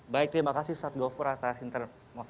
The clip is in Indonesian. baik terima kasih ustadz gopura ustadz inter